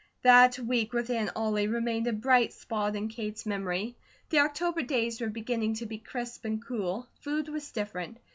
That week with Aunt Ollie remained a bright spot in Kate's memory. The October days were beginning to be crisp and cool. Food was different.